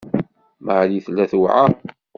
Marie tella tewɛeṛ.